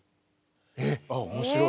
えっ面白い。